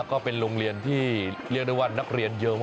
ก็เล่นอยู่บ้านคนเดียว